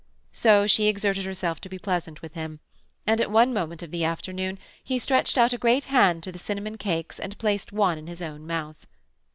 So she exerted herself to be pleasant with him, and at one moment of the afternoon he stretched out a great hand to the cinnamon cakes and placed one in his own mouth.